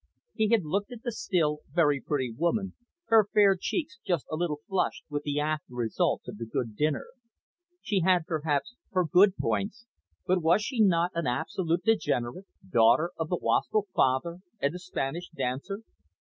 He had looked at the still very pretty woman, her fair cheeks just a little flushed with the after results of the good dinner. She had, perhaps, her good points, but was she not an absolute degenerate? Daughter of the wastrel father and the Spanish dancer!